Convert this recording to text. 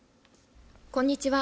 こんにちは。